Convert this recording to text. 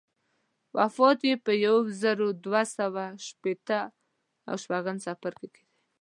وفات یې په یو زر دوه سوه شپېته و شپږم کې دی.